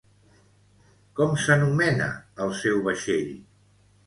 Com s'anomena el seu vaixell?